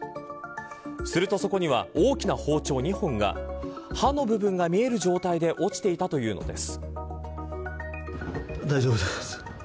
するとそこには大きな包丁２本が刃の部分が見える状態で落ちていたというのです。